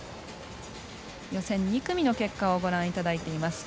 予選２組の結果をご覧いただいています。